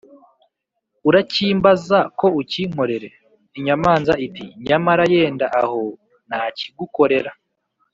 urakimbaza ko ukinkorere?’ inyamanza iti ‘nyamara yenda aho nakigukorera.’